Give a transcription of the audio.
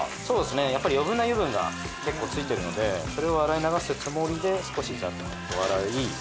そうですねやっぱり余分な油分が結構ついてるのでそれを洗い流すつもりで少しザッと洗い。